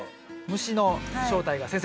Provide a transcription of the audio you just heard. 虫の正体が先生